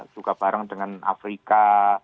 juga bareng dengan afrika